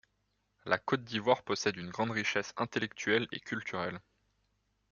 La Côte d'Ivoire possède une grande richesse intellectuelle et culturelle.